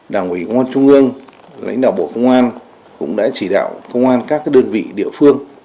đảng ủy công an trung ương lãnh đạo bộ công an cũng đã chỉ đạo công an các đơn vị địa phương